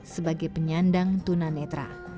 sebagai penyandang tunanetra